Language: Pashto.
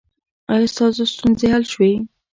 ایا ستاسو ستونزې حل شوې؟